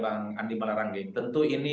bang andi malaranggeng tentu ini